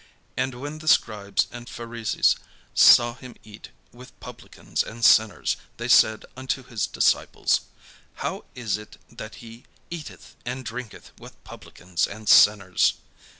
And when the scribes and Pharisees saw him eat with publicans and sinners, they said unto his disciples: "How is it that he eateth and drinketh with publicans and sinners?"